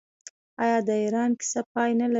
آیا د ایران کیسه پای نلري؟